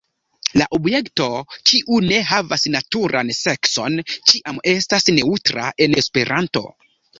La objekto kiu ne havas naturan sekson ĉiam estas neŭtra en Esperanto.